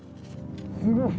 すごい！